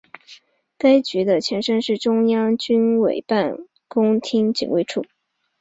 该局的前身是中央军委办公厅警卫处。